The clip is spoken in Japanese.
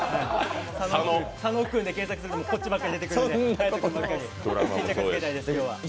佐野君で検索するとこっちばっか出てくるんで、決着をつけたいです、今日は。